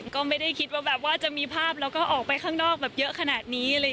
ก็ไม่ได้คิดว่าแบบว่าจะมีภาพแล้วก็ออกไปข้างนอกแบบเยอะขนาดนี้